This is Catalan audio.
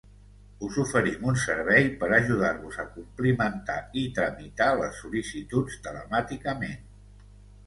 Us oferim un servei per ajudar-vos a complimentar i tramitar les sol·licituds telemàticament.